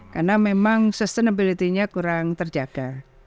karena memang sustainability nya kurang terjaga